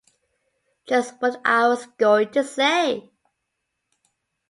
Just what I was going to say.